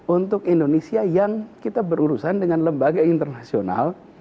untuk indonesia yang kita berurusan dengan lembaga internasional